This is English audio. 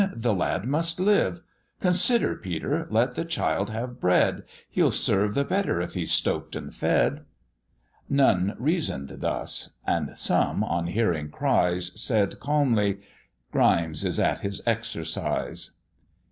the lad must live: Consider, Peter, let the child have bread, He'll serve the better if he's stroked and fed." None reason'd thus and some, on hearing cries, Said calmly, "Grimes is at his exercise."